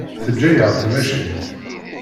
Teǧǧa-yaɣ tmacint.